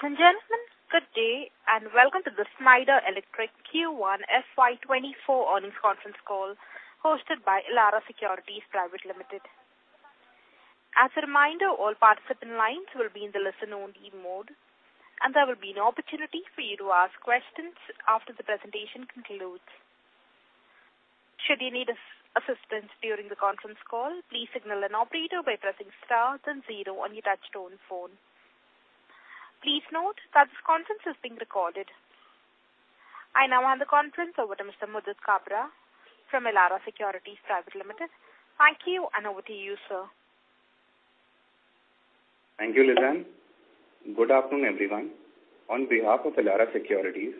Ladies and gentlemen, good day, and welcome to the Schneider Electric Q1 FY 2024 earnings conference call, hosted by Elara Securities Private Limited. As a reminder, all participant lines will be in the listen-only mode, and there will be an opportunity for you to ask questions after the presentation concludes. Should you need assistance during the conference call, please signal an operator by pressing star then zero on your touchtone phone. Please note that this conference is being recorded. I now hand the conference over to Mr. Madhu Jaidhara from Elara Securities Private Limited. Thank you, and over to you, sir. Thank you, Lizanne. Good afternoon, everyone. On behalf of Elara Securities,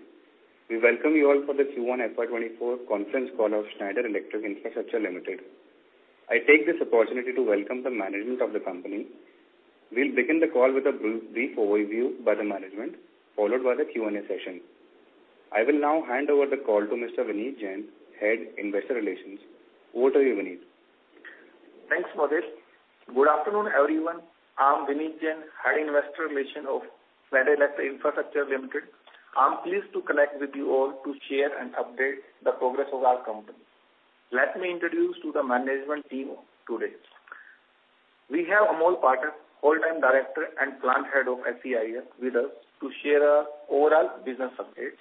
we welcome you all for the Q1 FY 2024 conference call of Schneider Electric Infrastructure Limited. I take this opportunity to welcome the management of the company. We'll begin the call with a brief overview by the management, followed by the Q&A session. I will now hand over the call to Mr. Vineet Jain, Head, Investor Relations. Over to you, Vineet. Thanks, Madhu. Good afternoon, everyone. I'm Vineet Jain, Head, Investor Relations of Schneider Electric Infrastructure Limited. I'm pleased to connect with you all to share and update the progress of our company. Let me introduce to the management team today. We have Amol Phatak, Full-time Director and Plant Head of SEIL, with us to share our overall business updates.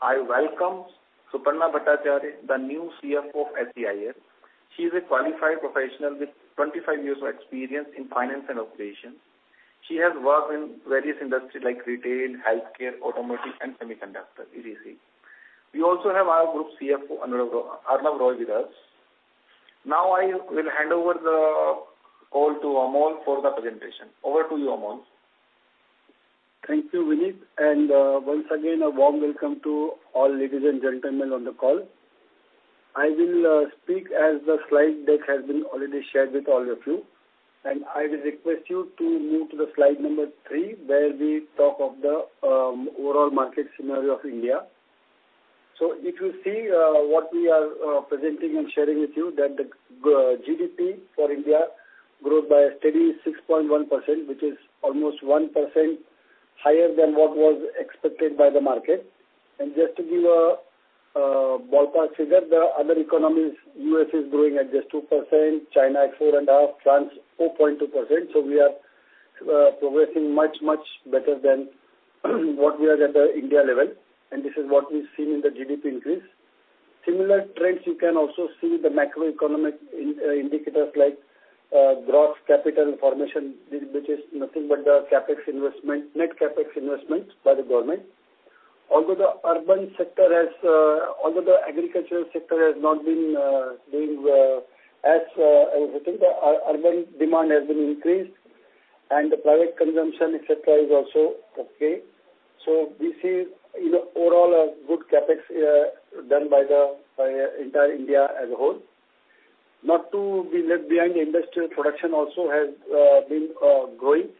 I welcome Suparna Bhattacharya, the new CFO of SEIL. She's a qualified professional with 25 years of experience in finance and operations. She has worked in various industries like retail, healthcare, automotive, and semiconductor, etc. We also have our Group CFO, Arnab Roy, with us. Now, I will hand over the call to Amol for the presentation. Over to you, Amol. Thank you, Vineet, once again, a warm welcome to all ladies and gentlemen on the call. I will speak as the slide deck has been already shared with all of you, I will request you to move to the slide number 3, where we talk of the overall market scenario of India. If you see, what we are presenting and sharing with you, that the GDP for India grew by a steady 6.1%, which is almost 1% higher than what was expected by the market. Just to give a ballpark figure, the other economies, U.S., is growing at just 2%, China at 4.5%, France, 4.2%. We are progressing much, much better than what we are at the India level, and this is what we've seen in the GDP increase. Similar trends, you can also see the macroeconomic indicators like gross capital formation, which is nothing but the CapEx investment, net CapEx investments by the government. Although the agricultural sector has not been doing as, I think the urban demand has been increased, and the private consumption, et cetera, is also okay. This is, you know, overall a good CapEx done by the, by entire India as a whole. Not to be left behind, the industrial production also has been growing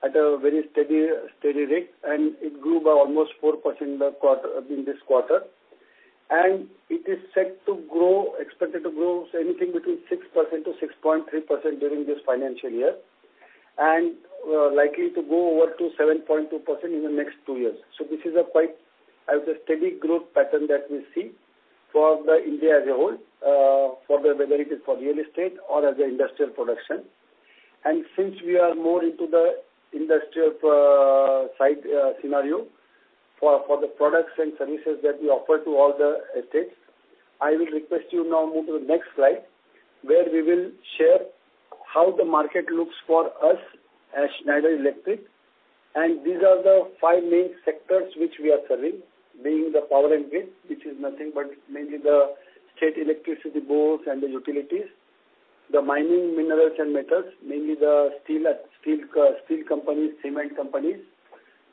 at a very steady, steady rate, and it grew by almost 4% in the quarter, in this quarter. It is set to grow, expected to grow, anything between 6%-6.3% during this financial year, likely to grow over to 7.2% in the next two years. This is a quite, as a steady growth pattern that we see for the India as a whole, for the, whether it is for real estate or as an industrial production. Since we are more into the industrial side scenario, for the products and services that we offer to all the estates, I will request you now move to the next slide, where we will share how the market looks for us as Schneider Electric. These are the five main sectors which we are serving, being the power and grid, which is nothing but mainly the state electricity boards and the utilities. The Mining, Minerals and Metals, mainly the steel, steel companies, cement companies.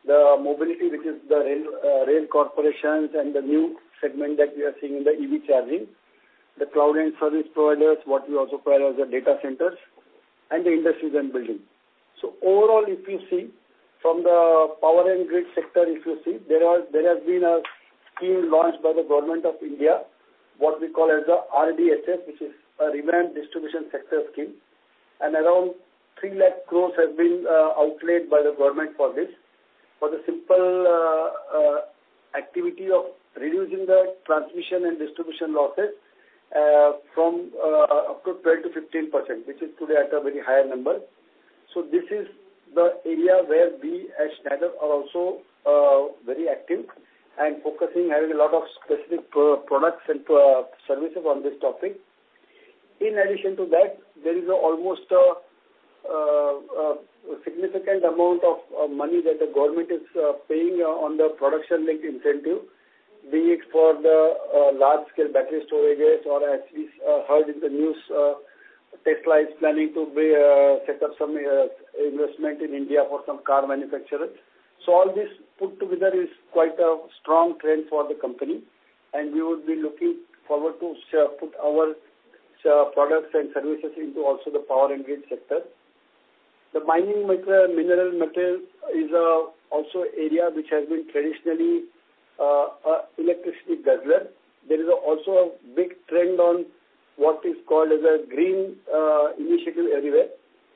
The Mobility, which is the rail, rail corporations, and the new segment that we are seeing in the EV charging. The cloud and service providers, what we also call as the data centers, and the industries and building. Overall, if you see from the power and grid sector, if you see, there are, there has been a scheme launched by the government of India, what we call as the RDSS, which is a Revamped Distribution Sector Scheme. Around 300,000 crore have been outlaid by the government for this, for the simple activity of reducing the transmission and distribution losses, from up to 12%-15%, which is today at a very higher number. This is the area where we, as Schneider, are also very active and focusing, having a lot of specific products and services on this topic. In addition to that, there is almost a significant amount of money that the government is paying on the Production Linked Incentive, be it for the large-scale battery storages or as we've heard in the news, Tesla is planning to be set up some investment in India for some car manufacturers. All this put together is quite a strong trend for the company, and we would be looking forward to put our products and services into also the power and grid sector. The mineral materials is also area which has been traditionally a electricity guzzler. There is also a big trend on-... What is called as a green initiative everywhere.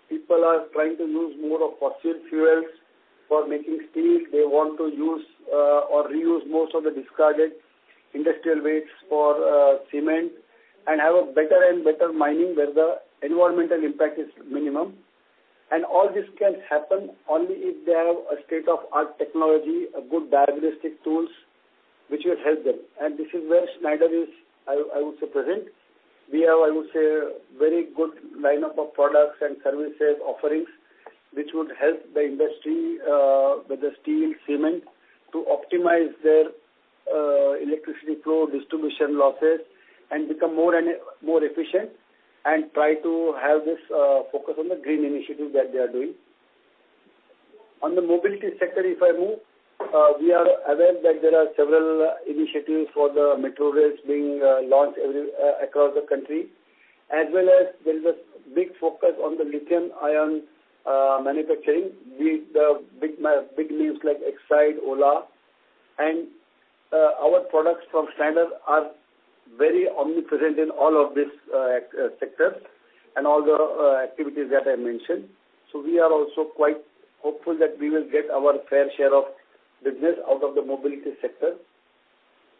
People are trying to use more of fossil fuels for making steel. They want to use or reuse most of the discarded industrial wastes for cement, and have a better and better mining, where the environmental impact is minimum. All this can happen only if they have a state-of-art technology, a good diagnostic tools, which will help them. This is where Schneider is, I would say, present. We have, I would say, very good lineup of products and services offerings, which would help the industry, whether steel, cement, to optimize their electricity flow, distribution losses, and become more and more efficient, and try to have this focus on the green initiative that they are doing. On the Mobility sector, if I move, we are aware that there are several initiatives for the metro rails being launched every across the country, as well as there is a big focus on the lithium-ion manufacturing, with the big names like Exide, Ola. Our products from Schneider Electric are very omnipresent in all of these sectors and all the activities that I mentioned. We are also quite hopeful that we will get our fair share of business out of the Mobility sector.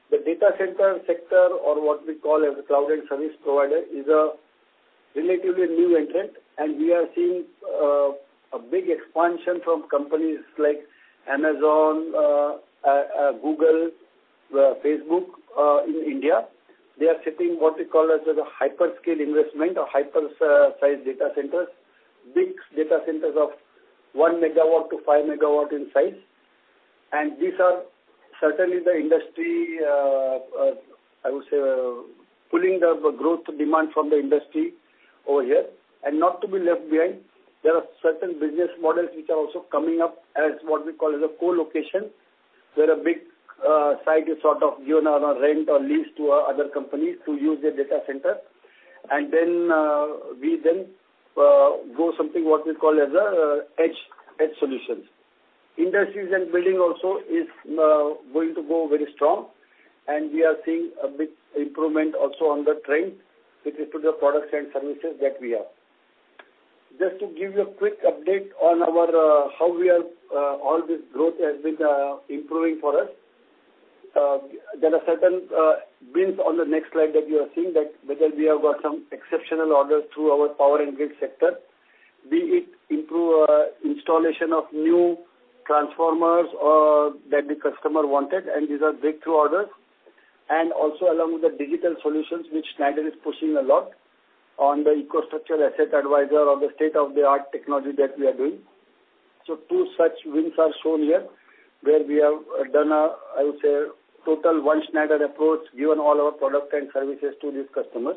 The Data Center sector, or what we call as a cloud and service provider, is a relatively new entrant, and we are seeing a big expansion from companies like Amazon, Google, Facebook, in India. They are setting what we call as a hyperscale investment or hyper size data centers. Big data centers of 1 MW-5 MW in size. These are certainly the industry, I would say, pulling the growth demand from the industry over here. Not to be left behind, there are certain business models which are also coming up as what we call as a colocation, where a big site is sort of given on a rent or lease to other companies to use their data center. Then we then go something what we call as a edge, edge solutions. Industries and building also is going to go very strong, and we are seeing a big improvement also on the trend, which is to the products and services that we have. Just to give you a quick update on our how we are, all this growth has been improving for us. There are certain wins on the next slide that you are seeing, that whether we have got some exceptional orders through our power and grid sector, be it improve installation of new transformers, or that the customer wanted, and these are big through orders. Also along with the digital solutions, which Schneider is pushing a lot on the EcoStruxure Asset Advisor or the state-of-the-art technology that we are doing. Two such wins are shown here, where we have done a, I would say, total One Schneider approach, given all our products and services to these customers.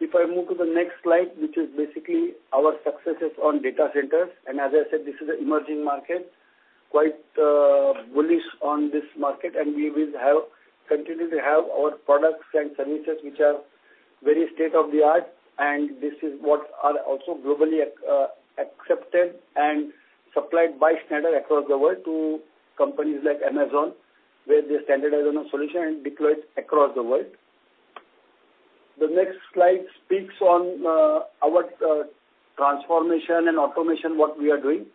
If I move to the next slide, which is basically our successes on data centers. As I said, this is an emerging market, quite bullish on this market, we will continue to have our products and services, which are very state-of-the-art. This is what are also globally accepted and supplied by Schneider across the world to companies like Amazon, where they standardize on a solution and deploy it across the world. The next slide speaks on our transformation and automation, what we are doing,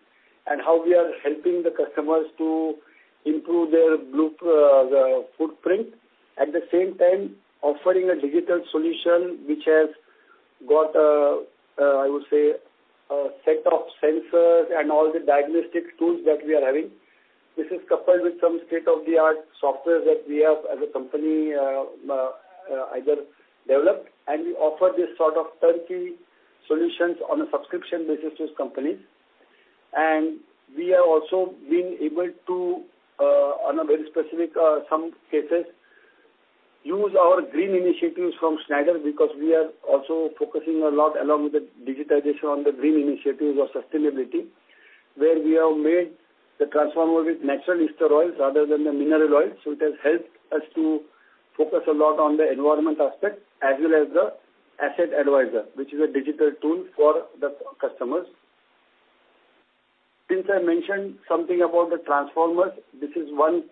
how we are helping the customers to improve their blue the footprint. At the same time, offering a digital solution, which has got a, I would say, a set of sensors and all the diagnostic tools that we are having. This is coupled with some state-of-the-art software that we have as a company, either developed, and we offer this sort of turnkey solutions on a subscription basis to these companies. We have also been able to, on a very specific, some cases, use our green initiatives from Schneider, because we are also focusing a lot along with the digitization on the green initiatives or sustainability, where we have made the transformer with natural ester oils rather than the mineral oils. It has helped us to focus a lot on the environment aspect, as well as the Asset Advisor, which is a digital tool for the customers. Since I mentioned something about the transformers, this is one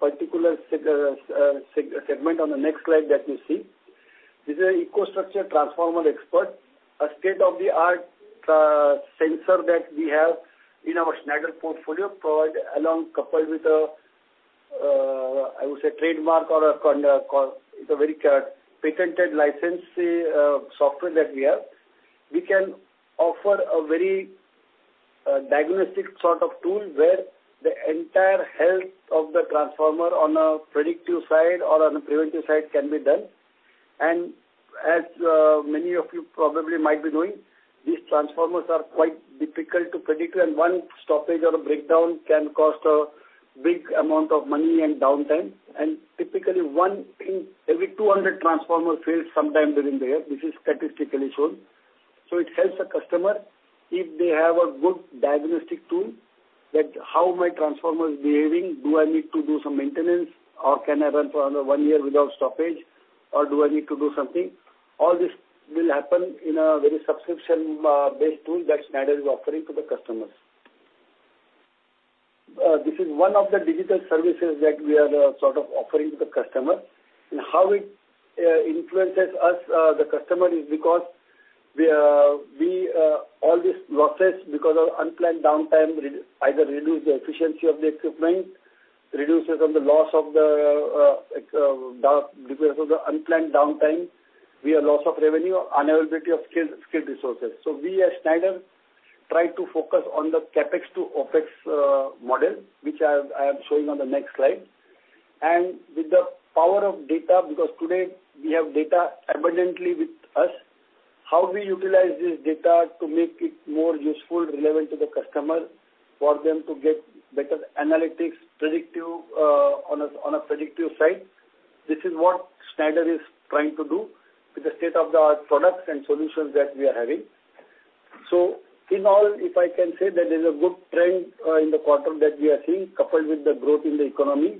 particular segment on the next slide that you see. This is a EcoStruxure Transformer Expert, a state-of-the-art sensor that we have in our Schneider portfolio, provide along coupled with a, I would say, trademark or a patented license software that we have. We can offer a very diagnostic sort of tool where the entire health of the transformer on a predictive side or on a preventive side can be done. As many of you probably might be knowing, these transformers are quite difficult to predict, and one stoppage or a breakdown can cost a big amount of money and downtime. Typically, one in every 200 transformers fails sometime during the year, this is statistically shown. It helps the customer if they have a good diagnostic tool, that how my transformer is behaving? Do I need to do some maintenance, or can I run for another one year without stoppage, or do I need to do something? All this will happen in a very subscription based tool that Schneider is offering to the customers. This is one of the digital services that we are sort of offering to the customer. How it influences us the customer, is because we all these losses because of unplanned downtime either reduce the efficiency of the equipment, reduces on the loss of the because of the unplanned downtime, we have loss of revenue, unavailability of skilled, skilled resources. We at Schneider try to focus on the CapEx to OpEx model, which I am, I am showing on the next slide. With the power of data, because today we have data abundantly with us, how we utilize this data to make it more useful, relevant to the customer, for them to get better analytics, predictive, on a predictive side, this is what Schneider is trying to do with the state-of-the-art products and solutions that we are having. In all, if I can say, there is a good trend in the quarter that we are seeing, coupled with the growth in the economy,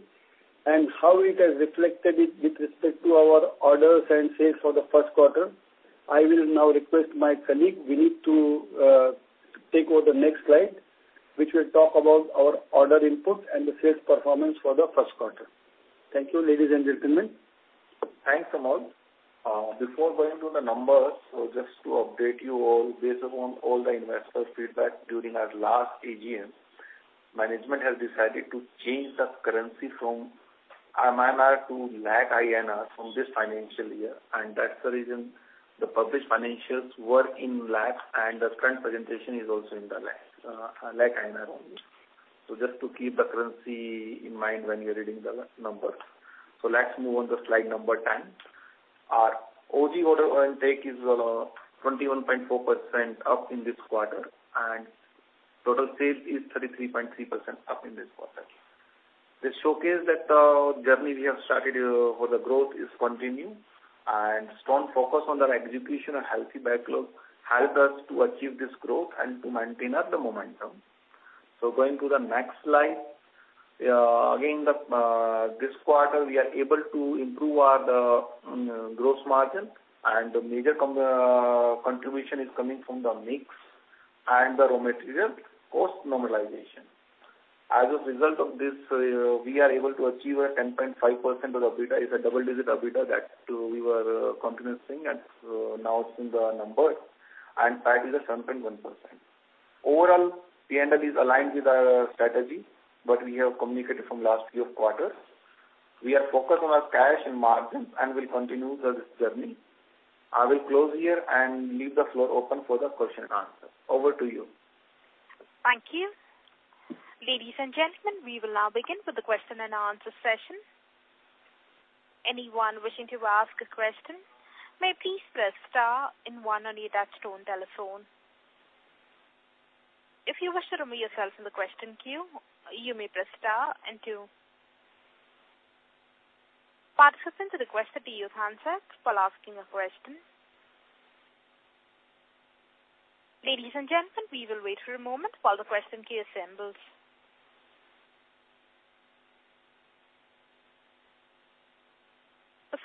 and how it has reflected it with respect to our orders and sales for the first quarter. I will now request my colleague, Vineet, to take over the next slide, which will talk about our order input and the sales performance for the first quarter. Thank you, ladies and gentlemen. Thanks, Amol. Before going to the numbers, just to update you all, based upon all the investor feedback during our last AGM, management has decided to change the currency from MMR to lakh INR from this financial year. That's the reason the published financials were in lakhs, the current presentation is also in the lakhs, lakh INR only. Just to keep the currency in mind when you're reading the numbers. Let's move on to slide number 10. Our organic order intake is 21.4% up in this quarter, total sales is 33.3% up in this quarter. This showcase that journey we have started for the growth is continuing, strong focus on the execution of healthy backlog helped us to achieve this growth and to maintain up the momentum. Going to the next slide. Again, this quarter, we are able to improve our gross margin, and the major contribution is coming from the mix and the raw material cost normalization. As a result of this, we are able to achieve a 10.5% of EBITDA, is a double-digit EBITDA that we were continuing, and now it's in the numbers, and PAT is at 7.1%. Overall, P&L is aligned with our strategy, we have communicated from last few quarters. We are focused on our cash and margins and will continue this journey. I will close here and leave the floor open for the question and answer. Over to you. Thank you. Ladies and gentlemen, we will now begin with the question and answer session. Anyone wishing to ask a question, may please press star and one on your touchtone telephone. If you wish to remove yourself from the question queue, you may press star and two. Participants are requested to use handset while asking a question. Ladies and gentlemen, we will wait for a moment while the question queue assembles.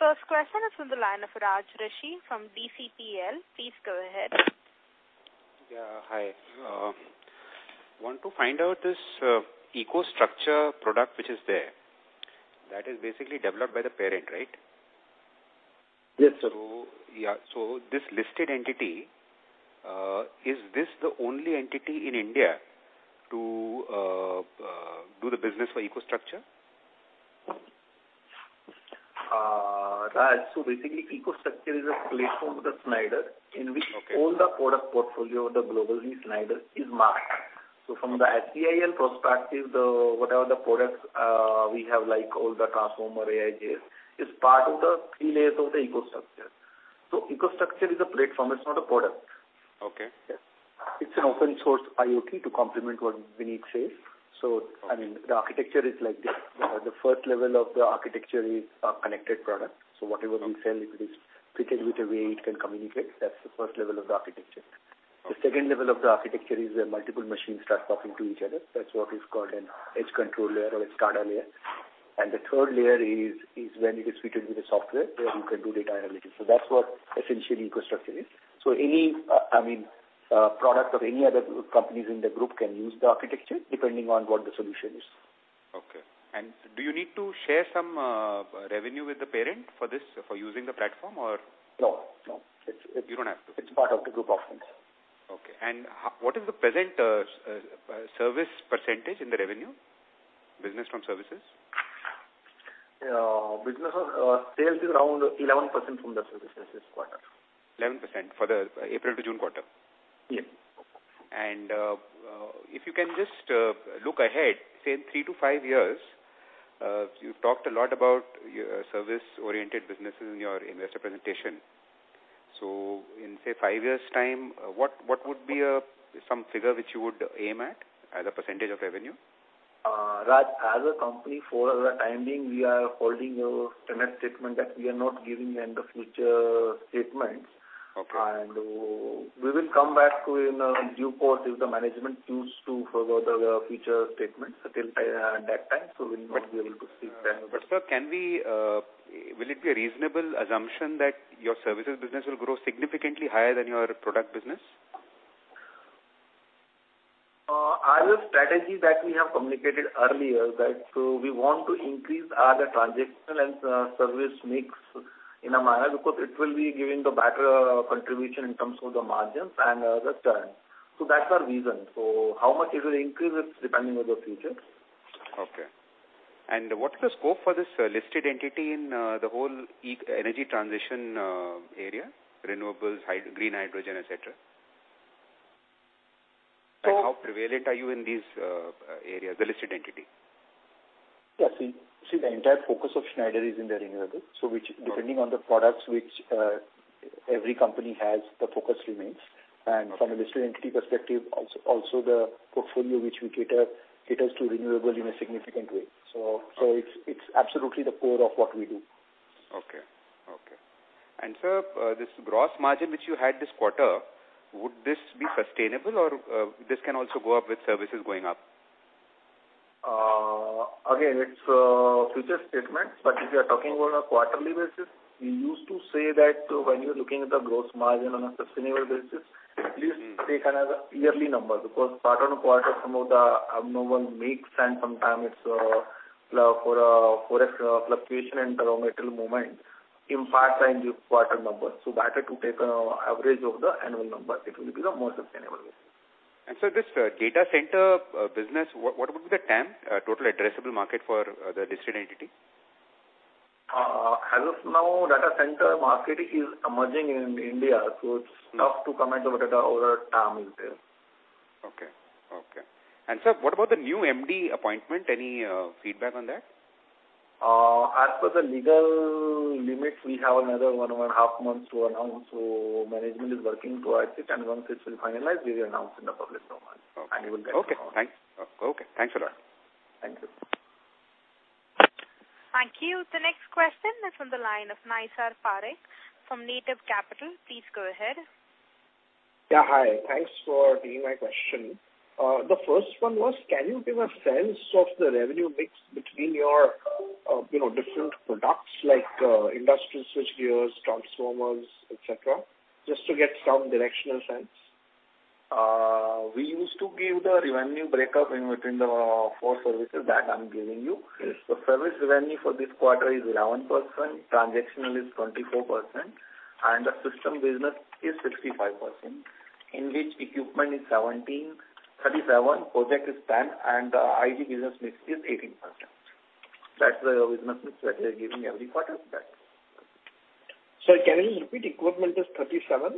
The first question is from the line of Raj Rishi from Dcpl. Please go ahead. Yeah, hi. want to find out this EcoStruxure product, which is there. That is basically developed by the parent, right? Yes, sir. Yeah. This listed entity, is this the only entity in India to do the business for EcoStruxure? Raj, so basically, EcoStruxure is a platform with the Schneider- Okay. In which all the product portfolio of the globally Schneider is marked. From the SEIL perspective, the, whatever the products, we have, like all the transformer, AIS, is part of the three layers of the EcoStruxure. EcoStruxure is a platform, it's not a product. Okay. Yes. It's an open source IoT to complement what Vineet says. I mean, the architecture is like this. The first level of the architecture is a connected product. Whatever we sell, if it is fitted with a way it can communicate, that's the first level of the architecture. The second level of the architecture is where multiple machines start talking to each other. That's what is called an Edge Control layer or a SCADA layer. The third layer is when it is fitted with a software, where you can do data analytics. That's what essentially EcoStruxure is. Any, I mean, product of any other companies in the group can use the architecture depending on what the solution is. Okay. Do you need to share some revenue with the parent for this, for using the platform or? No, no. You don't have to. It's part of the group offerings. Okay. What is the present service percentage in the revenue, business from services? Business sales is around 11% from the services this quarter. 11% for the April to June quarter? Yes. If you can just look ahead, say, in three to five years, you've talked a lot about your service-oriented businesses in your investor presentation. In, say, five years time, what, what would be some figure which you would aim at as a percentage of revenue? Raj, as a company, for the time being, we are holding a statement that we are not giving in the future statements. Okay. We will come back to in due course if the management choose to further the future statements until that time, so we will not be able to speak then. Will it be a reasonable assumption that your services business will grow significantly higher than your product business?... Our strategy that we have communicated earlier, that, so we want to increase our transaction and service mix in a manner, because it will be giving the better contribution in terms of the margins and return. That's our reason. How much it will increase, it's depending on the future. Okay. What's the scope for this listed entity in the whole energy transition area, renewables, green hydrogen, et cetera? So- How prevalent are you in these areas, the listed entity? Yes, see, the entire focus of Schneider is in the renewable. Got it. Depending on the products which every company has, the focus remains. Okay. From a listed entity perspective, also the portfolio which we cater, caters to renewable in a significant way. So, so it's, it's absolutely the core of what we do. Okay, okay. Sir, this gross margin which you had this quarter, would this be sustainable or this can also go up with services going up? Again, it's future statements. If you are talking about a quarterly basis, we used to say that when you're looking at the gross margin on a sustainable basis, please take another yearly number. Quarter to quarter, some of the abnormal mix, and sometime it's for a fluctuation in raw material movement, impact on the quarter numbers. Better to take average of the annual number, it will be the more sustainable way. So this, data center, business, what, what would be the TAM, total addressable market for, the listed entity? As of now, Data Center market is emerging in India, so it's tough to comment on what the overall TAM is there. Okay, okay. Sir, what about the new MD appointment? Any feedback on that? As per the legal limits, we have another 1.5 months to announce, so Management is working towards it, and once it's been finalized, we will announce in the public domain. Okay. You will get to know. Okay, thanks. Okay, thanks a lot. Thank you. Thank you. The next question is from the line of Naysar Parikh from Native Capital. Please go ahead. Yeah, hi. Thanks for taking my question. The first one was, can you give a sense of the revenue mix between your, you know, different products, like, industrial switchgears, transformers, et cetera, just to get some directional sense? We used to give the revenue breakup in between the, 4 services that I'm giving you. Yes. The service revenue for this quarter is 11%, transactional is 24%, and the system business is 65%, in which equipment is 37, project is 10, and IG business mix is 18%. That's the business mix that we are giving every quarter back. Sir, can you repeat? Equipment is 37.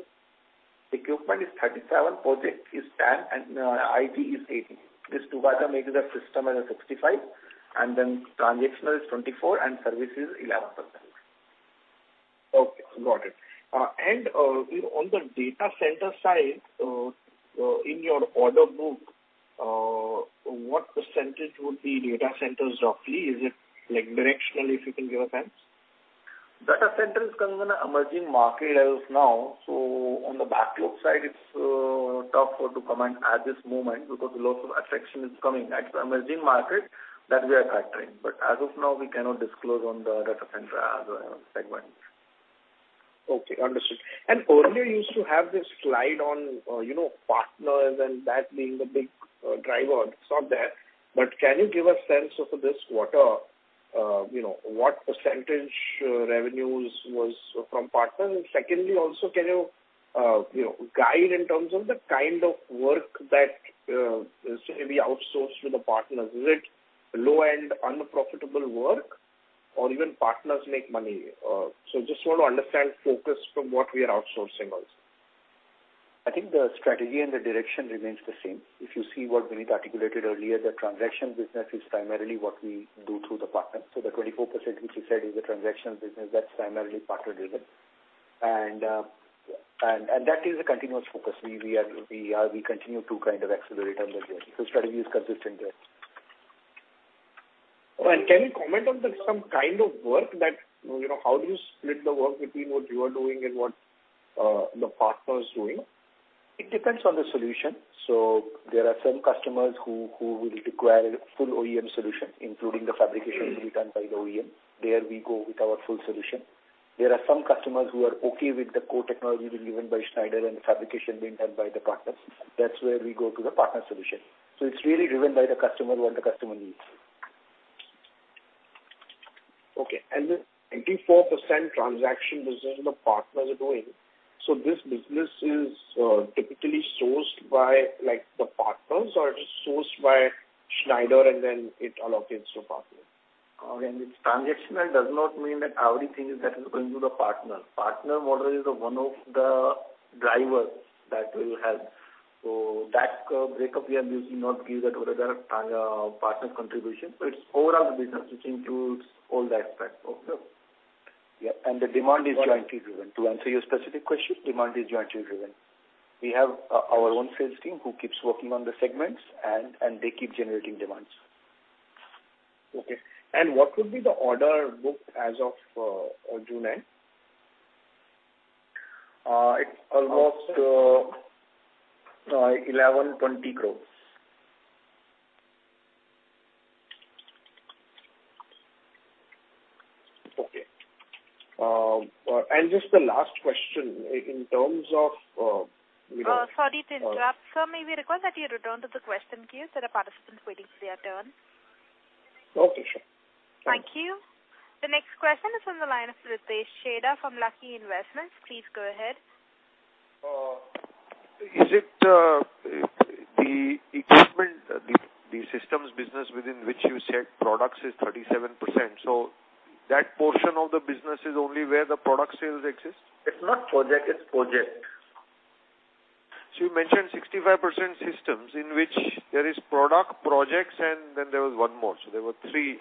Equipment is 37, project is 10, and IG is 18. This together makes the system as a 65, and then transactional is 24, and service is 11%. Okay, got it. On the Data Center side, in your order book, what percentage would be data centers roughly? Is it, like, directionally, if you can give a sense? Data Center is coming in an emerging market as of now. On the backlog side, it's tough for to comment at this moment, because lots of attraction is coming. It's emerging market that we are factoring. As of now, we cannot disclose on the Data Center as a segment. Okay, understood. Earlier, you used to have this slide on, you know, partners and that being the big driver. It's not there. Can you give a sense of this quarter, you know, what percentage revenues was from partners? Secondly, also, can you, you know, guide in terms of the kind of work that, say, we outsource to the partners? Is it low-end, unprofitable work, or even partners make money? Just want to understand focus from what we are outsourcing also. I think the strategy and the direction remains the same. If you see what Vineet articulated earlier, the transaction business is primarily what we do through the partners. The 24%, which he said, is a transactional business, that's primarily partner driven. And, and that is a continuous focus. We, we are, we are, we continue to kind of accelerate on that area. Strategy is consistent there. Can you comment on the some kind of work that, you know, how do you split the work between what you are doing and what the partner is doing? It depends on the solution. There are some customers who will require a full OEM solution, including the fabrication to be done by the OEM. There we go with our full solution. There are some customers who are okay with the core technology being given by Schneider and the fabrication being done by the partners. That's where we go to the partner solution. It's really driven by the customer, what the customer needs. Okay. The 24% transaction business the partners are doing, this business is, typically sourced by, like, the partners, or it is sourced by Schneider and then it allocates to partners? It's transactional does not mean that everything is that is going to the partner. Partner model is one of the drivers that will help. That breakup, we are using not give the overall partner contribution, but it's overall the business, which includes all the aspects of the... Yeah, the demand is jointly driven. To answer your specific question, demand is jointly driven. We have our own sales team who keeps working on the segments, and, and they keep generating demands. Okay. What would be the order booked as of June end? It's almost INR 11.20 crore. Just the last question, in terms of, you know. Sorry to interrupt, sir. May we request that you return to the question queue? There are participants waiting for their turn. Okay, sure. Thank you. The next question is on the line of Pritesh Chheda from Lucky Investments. Please go ahead. Is it the equipment, the systems business within which you said products is 37%, so that portion of the business is only where the product sales exist? It's not project, it's project. You mentioned 65% systems, in which there is product, projects, and then there was one more, so there were three.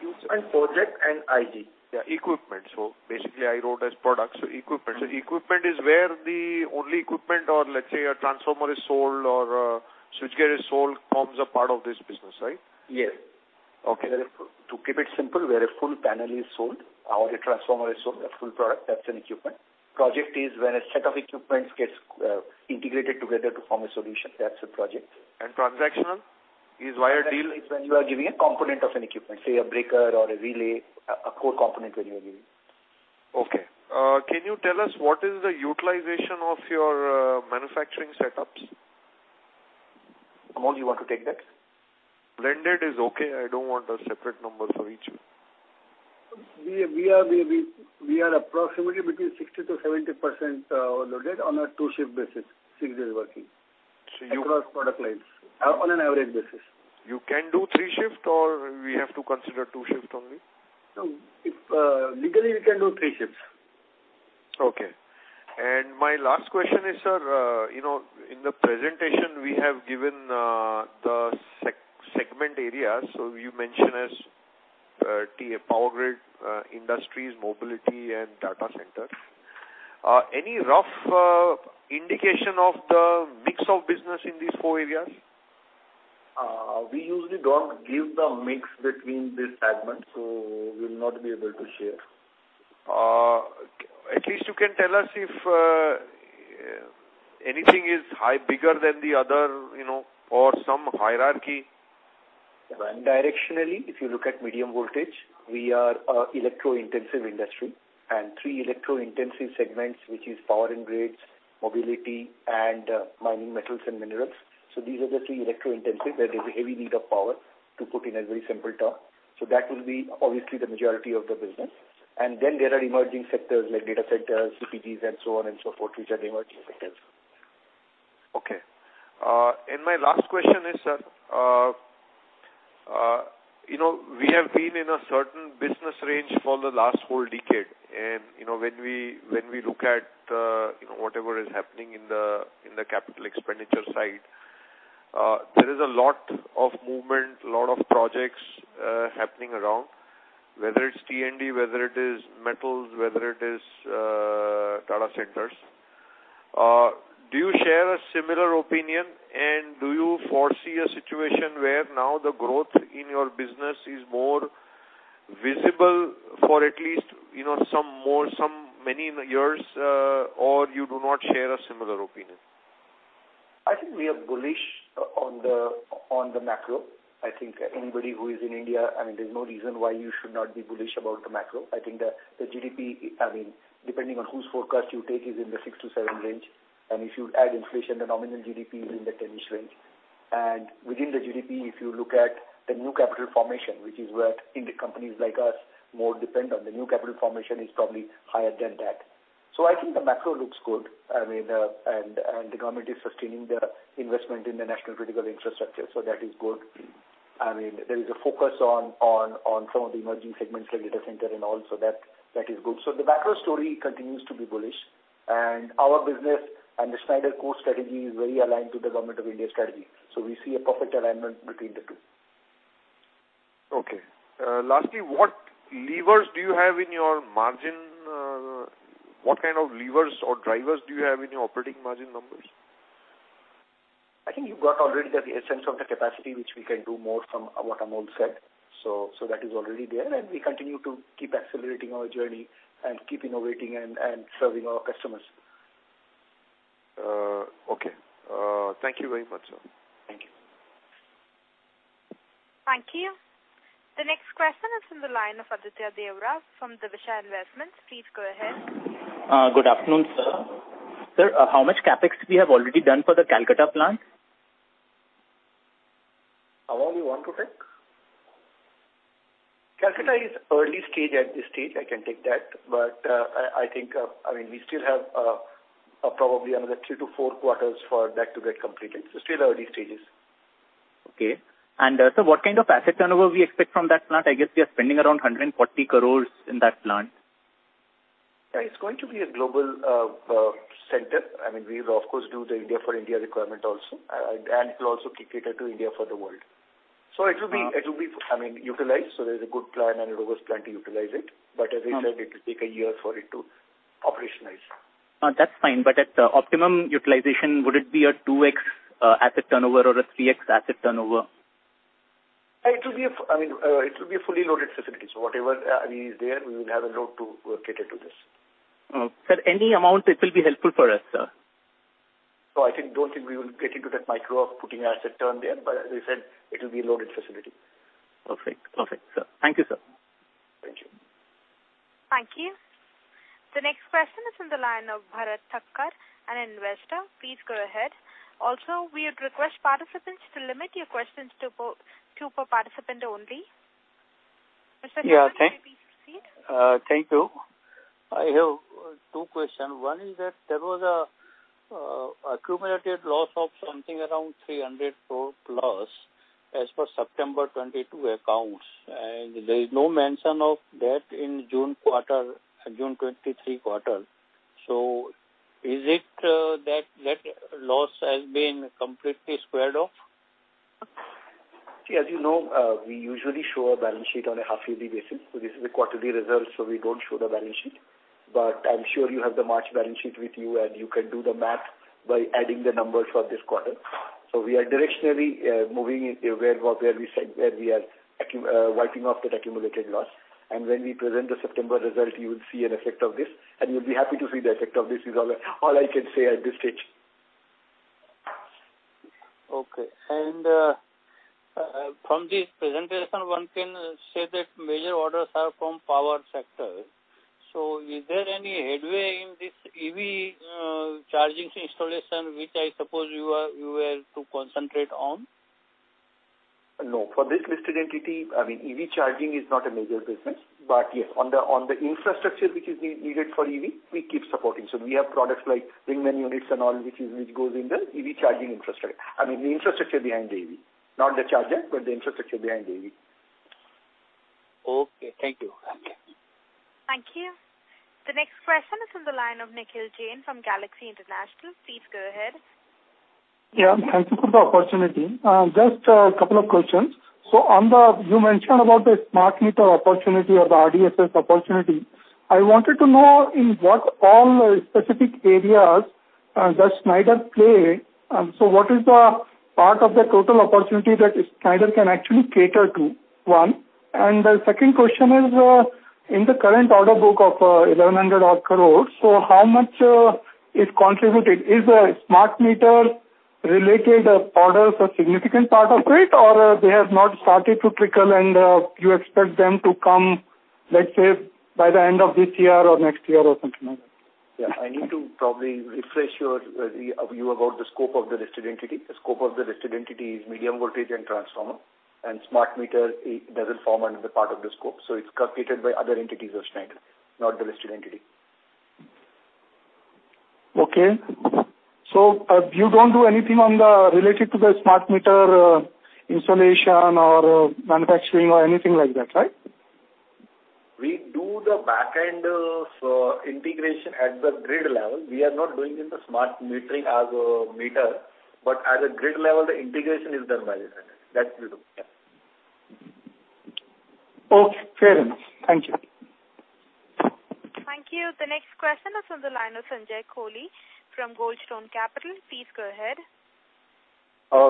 Project and IG. Yeah, equipment. Basically, I wrote as products, so equipment. Equipment is where the only equipment or let's say, a transformer is sold or a switchgear is sold, forms a part of this business, right? Yes. Okay. To keep it simple, where a full panel is sold or a transformer is sold, a full product, that's an equipment. Project is when a set of equipments gets integrated together to form a solution, that's a project. Transactional is wire deal? That is when you are giving a component of an equipment, say, a breaker or a relay, a core component when you are giving. Okay. Can you tell us what is the utilization of your manufacturing setups? Amol, you want to take that? Blended is okay. I don't want a separate number for each. We are approximately between 60%-70% loaded on a two-shift basis, six days working. So you- Across product lines, on an average basis. You can do three shift, or we have to consider two shift only? No, if, legally, we can do three shifts. Okay. My last question is, sir, you know, in the presentation, we have given the segment area. You mentioned as TA Power Grid, Industries, Mobility, and Data Center. Any rough indication of the mix of business in these four areas? We usually don't give the mix between these segments, so we'll not be able to share. At least you can tell us if anything is high, bigger than the other, you know, or some hierarchy? Directionally, if you look at medium voltage, we are a electro-intensive industry, three electro-intensive segments, which is Power and Grids, Mobility, and Mining, Metals, and Minerals. These are the three electro-intensive, where there is a heavy need of power to put in a very simple term. That will be obviously the majority of the business. Then there are emerging sectors like data centers, CPGs, and so on and so forth, which are the emerging sectors. Okay. My last question is, sir, you know, we have been in a certain business range for the last whole decade, and, you know, when we, when we look at, you know, whatever is happening in the, in the capital expenditure side, there is a lot of movement, a lot of projects happening around, whether it's T&D, whether it is Metals, whether it is Data Centers. Do you share a similar opinion, and do you foresee a situation where now the growth in your business is more visible for at least, you know, some more, some many years, or you do not share a similar opinion? I think we are bullish on the, on the macro. I think anybody who is in India, I mean, there's no reason why you should not be bullish about the macro. I think the GDP, I mean, depending on whose forecast you take, is in the 6-7 range. If you add inflation, the nominal GDP is in the 10ish range. Within the GDP, if you look at the new capital formation, which is what India companies like us more depend on, the new capital formation is probably higher than that. I think the macro looks good. I mean, and the government is sustaining the investment in the national critical infrastructure, so that is good. I mean, there is a focus on, on, on some of the emerging segments, like Data Center and all, so that, that is good. The macro story continues to be bullish, and our business and the Schneider core strategy is very aligned to the Government of India strategy. We see a perfect alignment between the two. Okay. Lastly, what levers do you have in your margin? What kind of levers or drivers do you have in your operating margin numbers? I think you've got already the essence of the capacity, which we can do more from what Amol said. So that is already there, and we continue to keep accelerating our journey and keep innovating and, and serving our customers. Okay. Thank you very much, sir. Thank you. Thank you. The next question is from the line of Aditya Deorah from Divisha Investments. Please go ahead. Good afternoon, sir. Sir, how much CapEx we have already done for the Kolkata plant? Amol, you want to take? Kolkata is early stage at this stage, I can take that, but I, I think, I mean, we still have, probably another three to four quarters for that to get completed. It's still early stages. Okay. So what kind of asset turnover we expect from that plant? I guess we are spending around 140 crore in that plant. Yeah, it's going to be a global center. I mean, we of course, do the India for India requirement also. It will also kick it into India for the world. It will be, it will be, I mean, utilized, so there's a good plan and a robust plan to utilize it. As I said, it will take a year for it to operationalize. That's fine, but at the optimum utilization, would it be a 2X asset turnover or a 3X asset turnover? It will be a I mean, it will be a fully loaded facility, so whatever is there, we will have a load to cater to this. Sir, any amount, it will be helpful for us, sir. I think, don't think we will get into that micro of putting asset turn there, but as I said, it will be a loaded facility. Perfect. Perfect, sir. Thank you, sir. Thank you. Thank you. The next question is on the line of Bharat Thakkar, an investor. Please go ahead. We would request participants to limit your questions to about two per participant only. Mr. Thakkar, please proceed. Yeah, thank you. I have, two questions. One is that there was a, accumulated loss of something around 300 crore+, as per September 2022 accounts. There is no mention of that in June quarter, June 2023 quarter. Is it, that, that loss has been completely squared off? See, as you know, we usually show a balance sheet on a half-yearly basis. This is a quarterly result, so we don't show the balance sheet. I'm sure you have the March balance sheet with you, and you can do the math by adding the numbers for this quarter. We are directionally, moving into where, where we said, where we are wiping off that accumulated loss. When we present the September result, you will see an effect of this, and you'll be happy to see the effect of this, is all I, all I can say at this stage. Okay. From this presentation, one can say that major orders are from Power sector. Is there any headway in this EV charging installation, which I suppose you are, you were to concentrate on? No. For this listed entity, I mean, EV charging is not a major business. Yes, on the, on the infrastructure which is needed for EV, we keep supporting. We have products like ring main units and all, which is, which goes in the EV charging infrastructure. I mean, the infrastructure behind the EV, not the charger, but the infrastructure behind the EV. Okay, thank you. Okay. Thank you. The next question is on the line of Nikhil Jain from Galaxy International. Please go ahead. Yeah, thank you for the opportunity. Just a couple of questions. On the... You mentioned about the smart meter opportunity or the RDSS opportunity. I wanted to know in what all specific areas does Schneider play? What is the part of the total opportunity that Schneider can actually cater to? One. The second question is in the current order book of 1,100 odd crore, how much is contributed? Is the smart meter related orders a significant part of it, or they have not started to trickle and you expect them to come, let's say, by the end of this year or next year or something like that? Yeah. I need to probably refresh your view about the scope of the listed entity. The scope of the listed entity is medium voltage and transformer, and smart meters, it doesn't form under the part of the scope, so it's calculated by other entities of Schneider, not the listed entity. Okay. you don't do anything on the, related to the smart meter, installation or manufacturing or anything like that, right? We do the back-end, integration at the grid level. We are not doing in the smart metering as a meter, but at the grid level, the integration is done by the Schneider. That we do, yeah. Okay, fair enough. Thank you. Thank you. The next question is on the line of Sanjay Kohli from Gold Stone Capital. Please go ahead.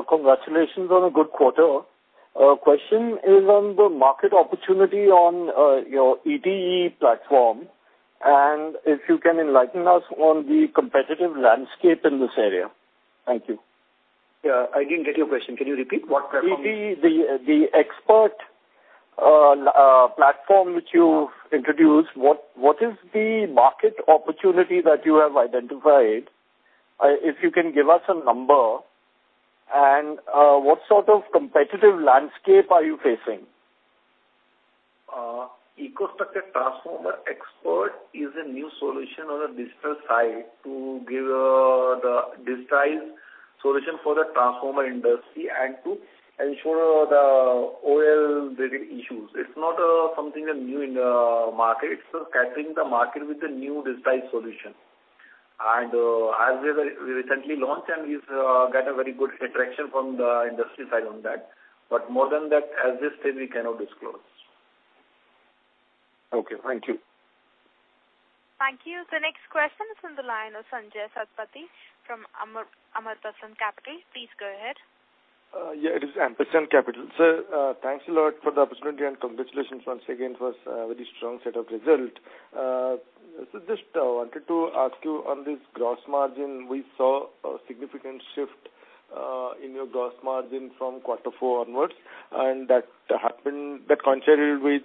Congratulations on a good quarter. Question is on the market opportunity on your ETE platform, and if you can enlighten us on the competitive landscape in this area. Thank you. Yeah, I didn't get your question. Can you repeat? What platform? ETE, the, the expert platform which you introduced, what, what is the market opportunity that you have identified? If you can give us a number, and, what sort of competitive landscape are you facing? EcoStruxure Transformer Expert is a new solution on the digital side to give the digitized solution for the transformer industry and to ensure the OL issues. It's not something new in the market, it's capturing the market with a new digitized solution. As we very, we recently launched, and we've got a very good attraction from the industry side on that. More than that, at this stage, we cannot disclose. Okay, thank you. Thank you. The next question is on the line of Sanjaya Satpathy from Ampersand Capital. Please go ahead. Yeah, it is Ampersand Capital. Sir, thanks a lot for the opportunity. Congratulations once again for a very strong set of results. Just wanted to ask you on this gross margin, we saw a significant shift in your gross margin from quarter four onwards. That happened, that coincided with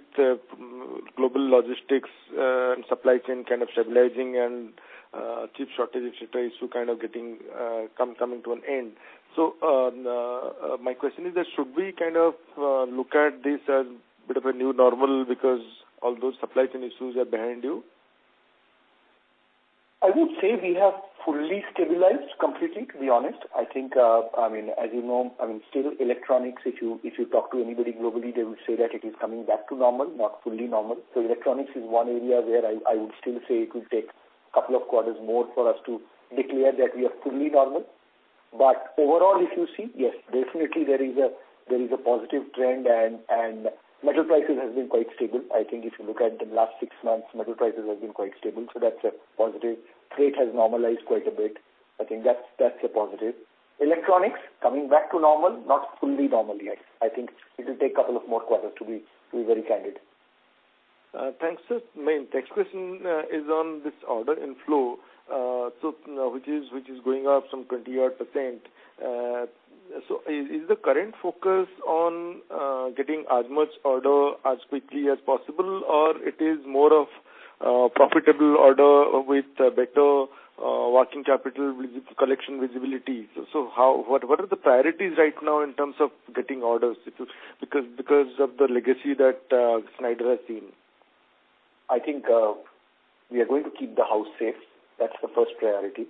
global logistics, supply chain kind of stabilizing and chip shortage, etc., kind of getting coming to an end. My question is that should we kind of look at this as a bit of a new normal because all those supply chain issues are behind you? I would say we have fully stabilized completely, to be honest. I think, I mean, as you know, I mean, still electronics, if you, if you talk to anybody globally, they will say that it is coming back to normal, not fully normal. Electronics is one area where I, I would still say it will take a couple of quarters more for us to declare that we are fully normal. Overall, if you see, yes, definitely there is a, there is a positive trend and, and metal prices has been quite stable. I think if you look at the last six months, metal prices have been quite stable, so that's a positive. Freight has normalized quite a bit. I think that's, that's a positive. Electronics, coming back to normal, not fully normal yet. I think it will take a couple of more quarters to be, to be very candid. Thanks. The next question is on this order inflow, which is going up some 20% odd. Is the current focus on getting as much order as quickly as possible, or is it more of profitable order with better working capital vis-collection visibility? What are the priorities right now in terms of getting orders? Because of the legacy that Schneider has been. I think, we are going to keep the house safe. That's the first priority.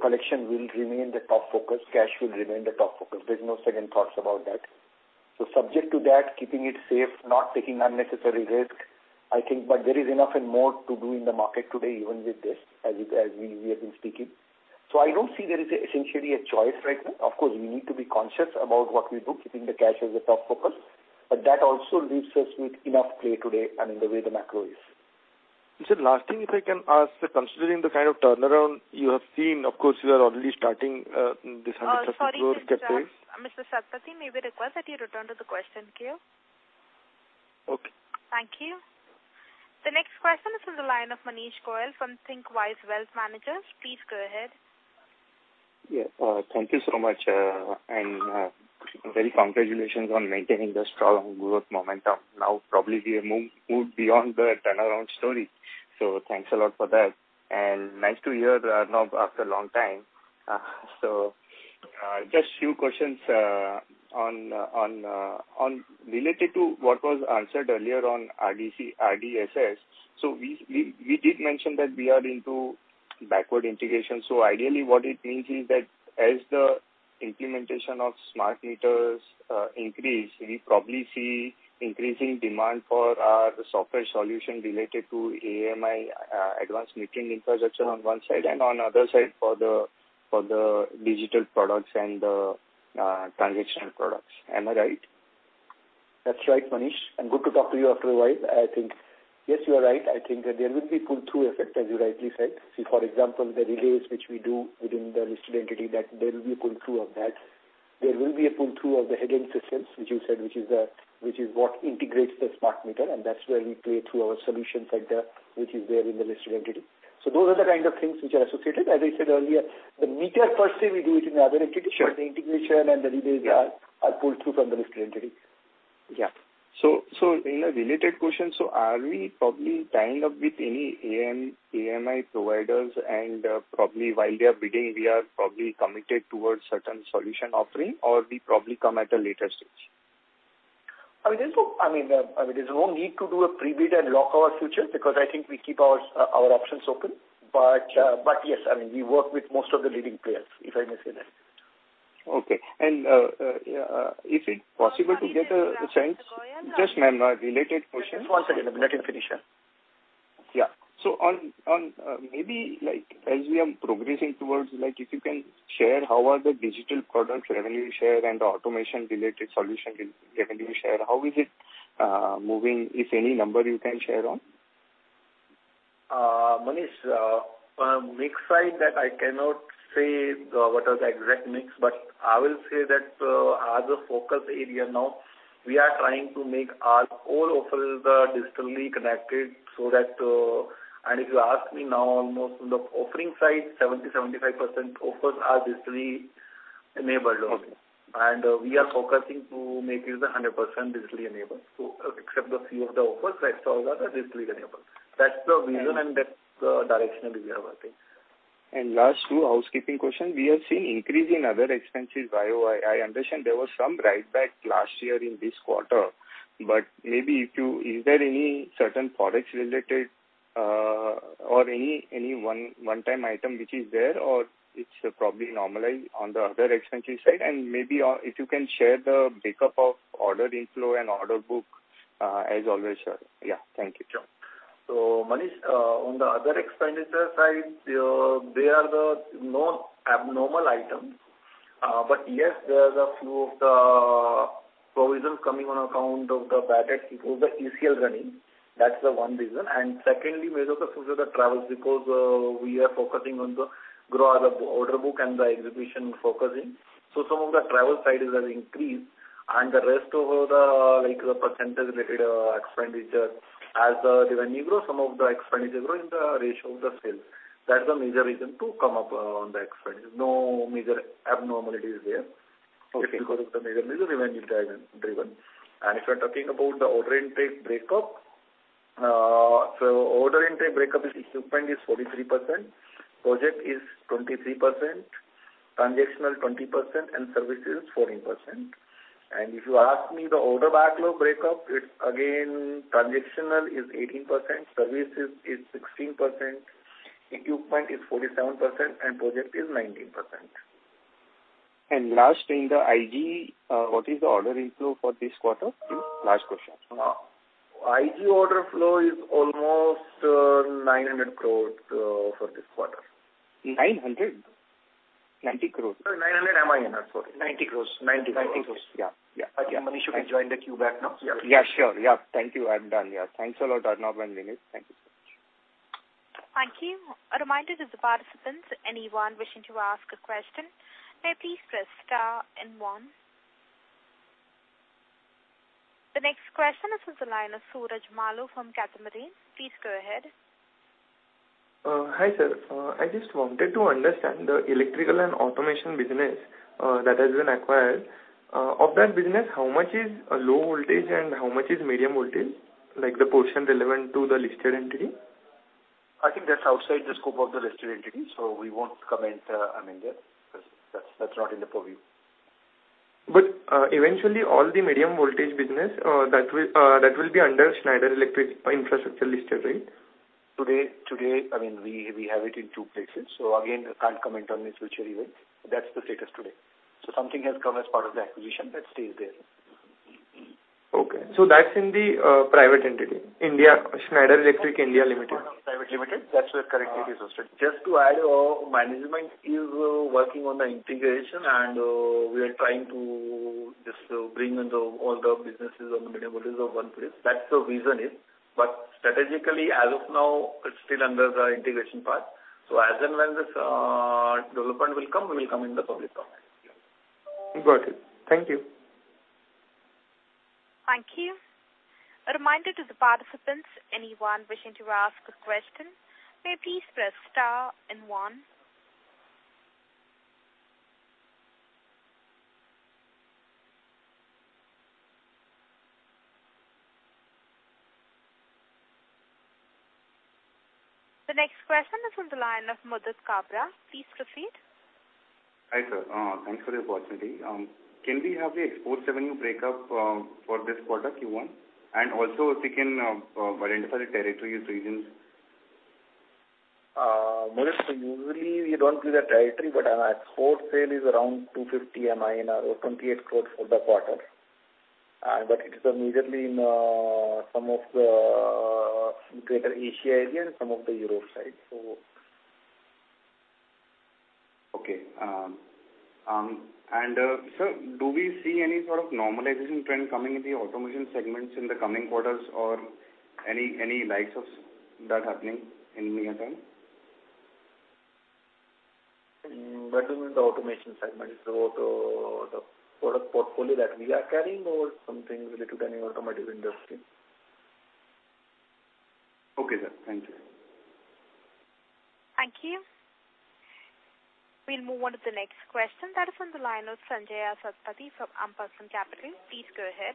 Collection will remain the top focus. Cash will remain the top focus. There's no second thoughts about that. Subject to that, keeping it safe, not taking unnecessary risk, I think... There is enough and more to do in the market today, even with this, as it, as we, we have been speaking. I don't see there is essentially a choice right now. Of course, we need to be conscious about what we do, keeping the cash as a top focus, but that also leaves us with enough play today and the way the macro is. Last thing, if I can ask, considering the kind of turnaround you have seen, of course, you are already starting, this. Sorry, Mr. Satapathy, may we request that you return to the question queue? Okay. Thank you. The next question is from the line of Manish Goyal from Thinqwise Wealth Managers. Please go ahead. Yeah. Thank you so much, and very congratulations on maintaining the strong growth momentum. Now, probably, we have moved beyond the turnaround story, thanks a lot for that. Nice to hear now after a long time. Just few questions on related to what was answered earlier on RDSS. We did mention that we are into backward integration. Ideally, what it means is that as the implementation of smart meters increase, we probably see increasing demand for our software solution related to AMI, Advanced Metering Infrastructure on one side and on the other side for the digital products and the transactional products. Am I right? That's right, Manish. Good to talk to you after a while. I think, yes, you are right. I think that there will be pull-through effect, as you rightly said. See, for example, the relays which we do within the registered entity, that there will be a pull-through of that. There will be a pull-through of the heading systems, which you said, which is what integrates the smart meter, and that's where we play through our solution center, which is there in the registered entity. Those are the kind of things which are associated. As I said earlier, the meter firstly, we do it in the other entity. Sure. The integration and the relays are, are pulled through from the registered entity. Yeah. In a related question: Are we probably tying up with any AMI providers, probably while they are bidding, we are probably committed towards certain solution offering, or we probably come at a later stage? I mean, there's no I mean, I mean, there's no need to do a pre-bid and lock our futures, because I think we keep our, our options open. Yes, I mean, we work with most of the leading players, if I may say that. Okay. Yeah, is it possible to get a chance? Mr. Goyal- Just, ma'am, a related question. One second. Let him finish, yeah. Yeah. On, on, maybe like as we are progressing towards, like, if you can share, how are the digital products revenue share and the automation related solution revenue share? How is it moving, if any number you can share on? Manish, mix side that I cannot say what are the exact mix, but I will say that as a focus area now, we are trying to make our core offers digitally connected so that. If you ask me now, almost on the offering side, 70%-75% offers are digitally enabled already. Okay. We are focusing to make it a 100% digitally enabled. Except a few of the offers, rest all are, are digitally enabled. That's the vision. Right. That's the directionally we are working. Last two, housekeeping question. We are seeing increase in other expenses, YoY. I understand there was some write-back last year in this quarter, but maybe is there any certain products related, or any one-time item which is there, or it's probably normalized on the other expenditure side? Maybe, if you can share the breakup of order inflow and order book, as always, sir. Yeah, thank you. Sure. Manish, on the other expenditure side, there are no abnormal items. Yes, there are a few of the provisions coming on account of the bad debt, because the ECL running, that's the one reason. Secondly, major focus is the travels, because we are focusing on the grow our order book and the execution focusing. Some of the travel side is has increased, and the rest of the, like, the percentage related expenditure, as the revenue grows, some of the expenditure grow in the ratio of the sales. That's the major reason to come up on the expenditure. No major abnormalities there. Okay. If you go to the major reason, revenue driven. If you're talking about the order intake breakup, so order intake breakup is, equipment is 43%, project is 23%, transactional 20%, and services 14%. If you ask me the order backlog breakup, it's again, transactional is 18%, services is 16%, equipment is 47%, and project is 19%. Last, in the IG, what is the order inflow for this quarter? Last question. IG order flow is almost 900 crore for this quarter. 900? 90 crore. 900 million, sorry. 90 crore. 90 crore. 90 crore. Yeah. Yeah. Manish, you can join the queue back now. Yeah, sure. Yeah. Thank you. I'm done. Yeah. Thanks a lot, Arnab and Vineet. Thank you, sir. Thank you. A reminder to the participants, anyone wishing to ask a question, may please press star one. The next question is from the line of Suraj Malu from Catamaran. Please go ahead. Hi, sir. I just wanted to understand the electrical and automation business that has been acquired. Of that business, how much is low voltage and how much is medium voltage, like the portion relevant to the listed entity? I think that's outside the scope of the listed entity, so we won't comment, I mean, that, that's, that's not in the purview. Eventually all the medium voltage business, that will, that will be under Schneider Electric Infrastructure listed, right? Today, today, I mean, we, we have it in two places, so again, I can't comment on this future event. That's the status today. Something has come as part of the acquisition, that stays there. Okay. That's in the private entity, India, Schneider Electric India Limited. Private Limited. That's where, correctly, consisted. Just to add, Management is working on the integration, and, we are trying to just bring in the, all the businesses on the medium voltage on one place. That's the reason is. Strategically, as of now, it's still under the integration part. As and when this, development will come, we will come in the public domain. Got it. Thank you. Thank you. A reminder to the participants, anyone wishing to ask a question, may please press star and one. The next question is from the line of Madhu Jaidhara. Please proceed. Hi, sir. Thanks for the opportunity. Can we have the export revenue breakup for this quarter, Q1? Also, if you can, identify the territories, regions. Madhu, usually we don't do the territory, but our export sale is around 250 Mn or 28 crores for the quarter. It is immediately in some of the greater Asia area and some of the Europe side. Okay. Sir, do we see any sort of normalization trend coming in the automation segments in the coming quarters or any, any likes of that happening any time? By the way, the automation segment is about the product portfolio that we are carrying or something related to any automotive industry? Okay, sir. Thank you. Thank you. We'll move on to the next question. That is on the line of Sanjaya Satapathy from Ampersand Capital. Please go ahead.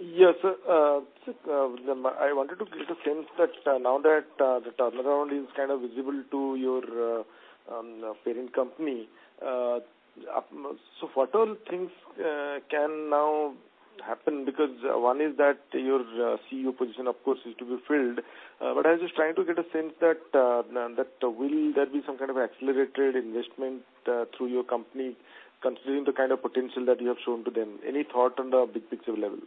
Yes, sir. I wanted to get a sense that now that the turnaround is kind of visible to your parent company, what all things can now happen? Because one is that your CEO position, of course, is to be filled. I was just trying to get a sense that that will there be some kind of accelerated investment through your company, considering the kind of potential that you have shown to them? Any thought on the big picture level?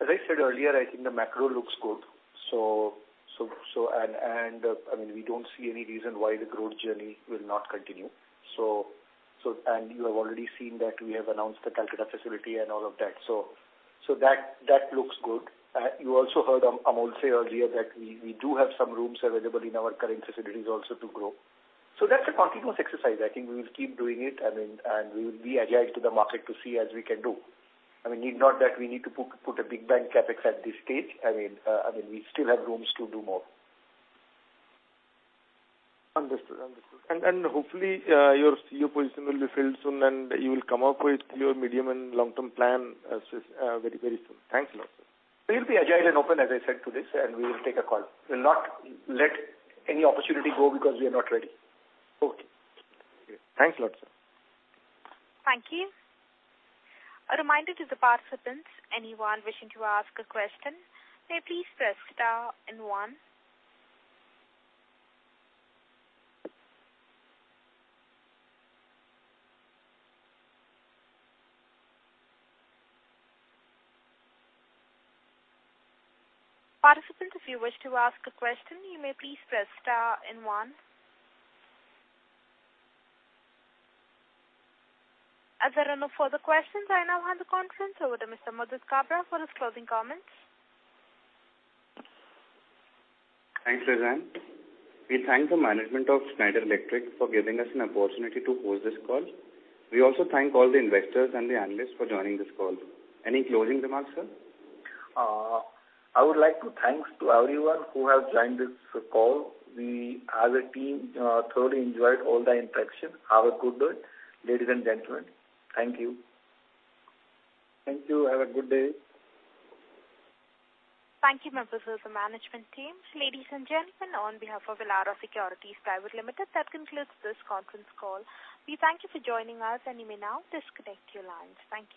As I said earlier, I think the macro looks good. I mean, we don't see any reason why the growth journey will not continue. You have already seen that we have announced the Kolkata facility and all of that. That, that looks good. You also heard Amol say earlier that we, we do have some rooms available in our current facilities also to grow. That's a continuous exercise. I think we will keep doing it, and we will be agile to the market to see as we can do. I mean, need not that we need to put a big bang CapEx at this stage. I mean, we still have rooms to do more. Understood. Understood. Hopefully, your CEO position will be filled soon, and you will come up with your medium and long-term plan, very, very soon. Thanks a lot, sir. We'll be agile and open, as I said, to this, and we will take a call. We'll not let any opportunity go because we are not ready. Okay. Thanks a lot, sir. Thank you. A reminder to the participants, anyone wishing to ask a question, may please press star and one. Participants, if you wish to ask a question, you may please press star and one. As there are no further questions, I now hand the conference over to Mr. Madhu Jaidhara for his closing comments. Thanks, Lizanne. We thank the management of Schneider Electric for giving us an opportunity to host this call. We also thank all the investors and the analysts for joining this call. Any closing remarks, sir? I would like to thanks to everyone who has joined this call. We, as a team, thoroughly enjoyed all the interaction. Have a good day, ladies and gentlemen. Thank you. Thank you. Have a good day. Thank you, members of the management team. Ladies and gentlemen, on behalf of Elara Securities Private Limited, that concludes this conference call. We thank you for joining us, and you may now disconnect your lines. Thank you.